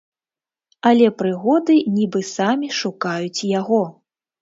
Але прыгоды нібы самі шукаюць яго.